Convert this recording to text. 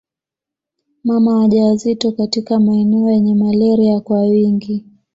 Mama wajawazito katika maeneo yenye malaria kwa wingi